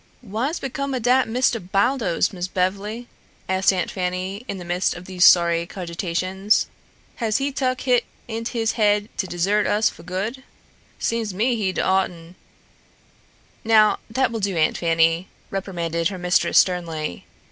"Wha's became o' dat Misteh Baldos, Miss Bev'ly?" asked Aunt Fanny in the midst of these sorry cogitations. "Has he tuck hit int' his haid to desert us fo' good? Seems to me he'd oughteh " "Now, that will do, Aunt Fanny," reprimanded her mistress sternly.